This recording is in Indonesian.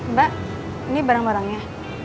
mbak ini barang barangnya